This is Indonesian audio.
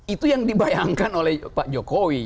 itu yang dibayangkan oleh pak jokowi